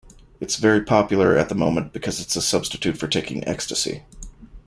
It's very popular at the moment because it's a substitute for taking ecstasy.